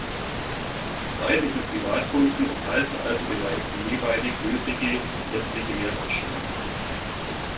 Die Preise für Privatkunden enthalten also bereits die jeweilig gültige gesetzliche Mehrwertsteuer.